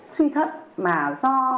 suy thận mà do